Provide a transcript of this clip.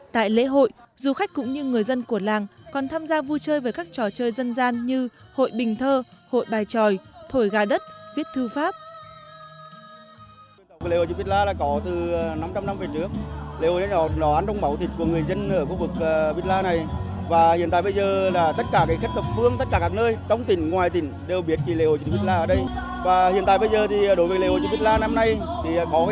tại lễ hội du khách cũng như người dân của làng còn tham gia vui chơi với các trò chơi dân gian như hội bình thơ hội bài tròi thổi gà đất viết thư pháp